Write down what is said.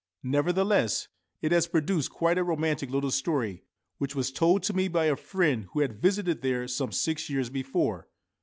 Nevertheless, it has produced quite a romantic little story, which was told to me by a friend who had visited there some six years before.